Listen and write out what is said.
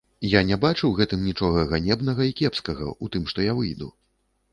Я не бачу ў гэтым нічога ганебнага і кепскага, у тым, што я выйду.